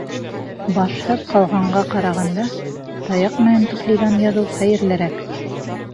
Башһыҙ ҡалғанға ҡарағанда, таяҡ менән туфлиҙан яҙыу хәйерлерәк.